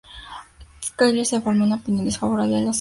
Scaliger se formó una opinión desfavorable de los ingleses.